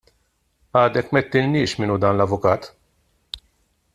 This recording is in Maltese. Għadek m'għidtilniex min hu dan l-avukat.